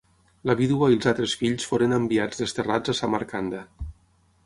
La vídua i els altres fills foren enviats desterrats a Samarcanda.